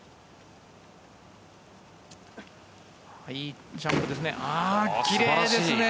いいジャンプですね。